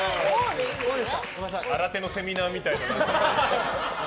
新手のセミナーみたいな。